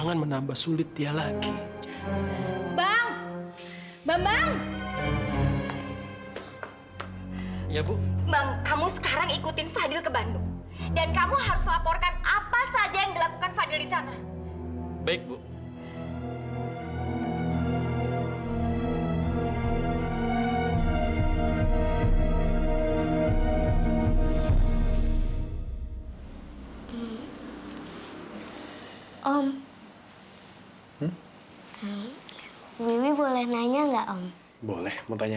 sampai jumpa di video selanjutnya